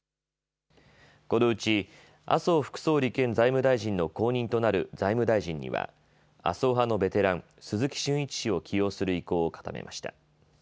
このうち、麻生副総理兼財務大臣の後任となる財務大臣には麻生派のベテラン、鈴木俊一氏を起用する意向を固めました。